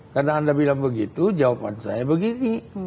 karena anda bilang begitu jawaban saya begini